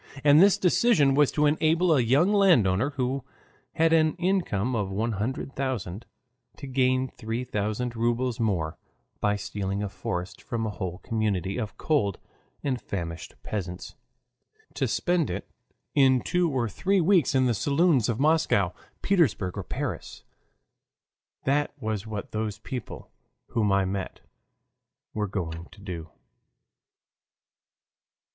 And this decision was to enable a young landowner, who had an income of one hundred thousand, to gain three thousand rubles more by stealing a forest from a whole community of cold and famished peasants, to spend it, in two or three weeks in the saloons of Moscow, Petersburg, or Paris. That was what those people whom I met were going to do.